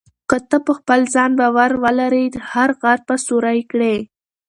که ته په خپل ځان باور ولرې، هر غر به سوري کړې.